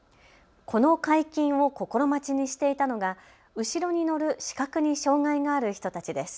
この解禁を心待ちにしていたのが後ろに乗る視覚に障害がある人たちです。